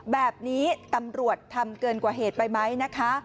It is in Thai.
แบบนี้ตำรวจทำเกินกว่าเหตุไปไหมนะคะ